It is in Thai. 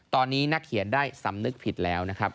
ตอนนี้นักเขียนได้สำนึกผิดแล้วนะครับ